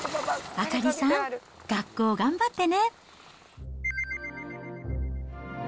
朱里さん、学校頑張ってね。